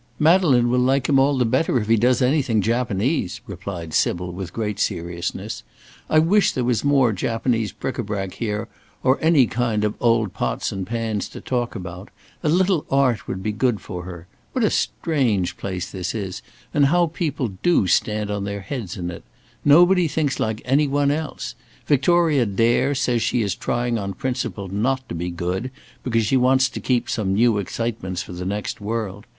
"Madeleine will like him all the better if he does anything Japanese," replied Sybil, with great seriousness; "I wish there was more Japanese bric à brac here, or any kind of old pots and pans to talk about. A little art would be good for her. What a strange place this is, and how people do stand on their heads in it! Nobody thinks like anyone else. Victoria Dare says she is trying on principle not to be good, because she wants to keep some new excitements for the next world.